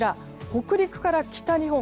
北陸から北日本